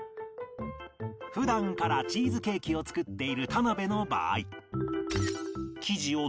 普段からチーズケーキを作っている田辺の場合